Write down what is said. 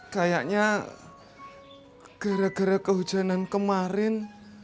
kayaknya gara gara kehujanan kemarin